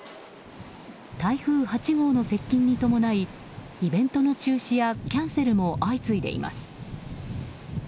台風８号の接近に伴いイベントの中止やキャンセルも相次いでいます。